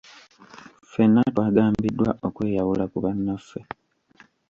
Ffenna twagambiddwa okweyawula ku bannaffe.